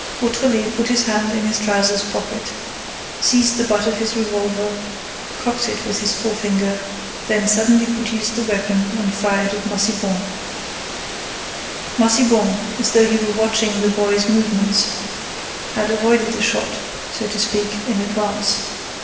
_" Beautrelet put his hand in his trousers pocket, seized the butt of his revolver, cocked it with his forefinger, then suddenly produced the weapon and fired at Massiban. Massiban, as though he were watching the boy's movements, had avoided the shot, so to speak, in advance.